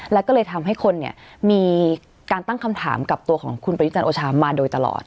แล้วก็เลยทำให้คนเนี่ยมีการตั้งคำถามกับตัวของคุณประยุจันทร์โอชามาโดยตลอด